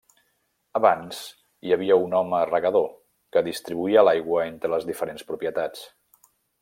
Abans, hi havia un home -regador- que distribuïa l'aigua entre les diferents propietats.